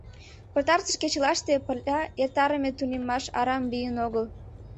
Пытартыш кечылаште пырля эртарыме тунеммаш арам лийын огыл.